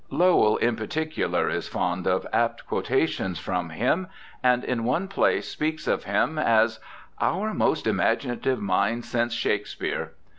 Lowell in particular is fond of apt quotations from him, and in one place speaks of him as ' our most imaginative mind since Shakespeare'.